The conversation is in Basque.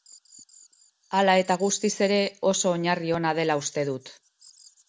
Hala eta guztiz ere, oso oinarri ona dela uste dut.